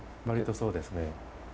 割とそうですね。